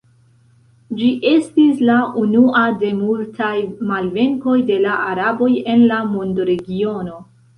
Ĝi estis la unua de multaj malvenkoj de la araboj en la mondoregiono.